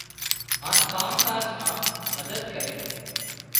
هانَ ڪام ڪاز مان مدد ڪري۔